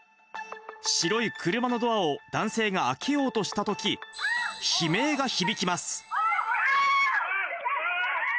白い車のドアを男性が開けようとしたとき、悲鳴が響きます。